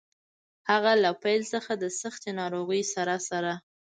هغه له پیل څخه د سختې ناروغۍ سره سره.